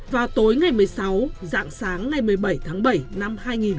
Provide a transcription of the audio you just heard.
vào tối ngày một mươi sáu dạng sáng ngày một mươi bảy tháng bảy năm hai nghìn một mươi chín